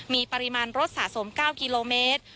มีปริมาณรถสะสม๙กิโลเมตร